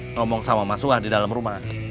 ngomong sama mas suah di dalam rumah